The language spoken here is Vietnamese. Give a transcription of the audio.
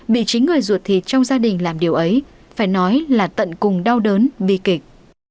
bị chính người ruột thịt trong gia đình làm điều ấy phải nói là tận cùng đau đớn bi kịch